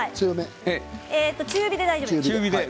中火で大丈夫です。